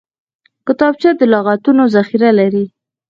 کتابچه د لغتونو ذخیره لري